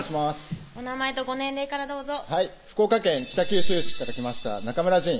お名前とご年齢からどうぞはい福岡県北九州市から来ました中村仁